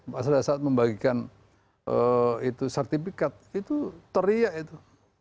pada saat membagikan sertifikat itu teriak itu